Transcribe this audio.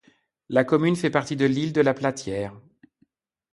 La commune fait partie de l'Île de la Platière.